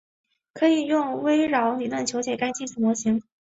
可以用微扰理论求解该近似模型。